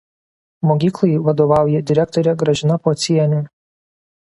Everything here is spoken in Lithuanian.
Mokyklai vadovauja direktorė Gražina Pocienė.